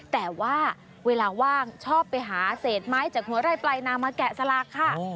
แต่ว่าเวลาว่างชอบไปหาเศษไม้จากหัวไร่ปลายนามาแกะสลักค่ะ